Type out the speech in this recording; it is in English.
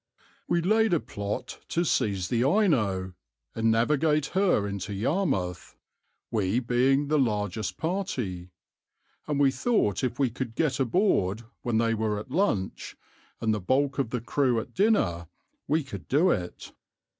We laid a plot to seize the Ino and navigate her into Yarmouth, we being the largest party; and we thought if we could get aboard when they were at lunch, and the bulk of the crew at dinner, we could do it.